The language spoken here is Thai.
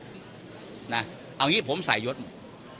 เอาอย่างนี้ผมใส่ยศหมด